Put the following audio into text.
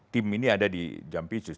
tim ini ada di jampicus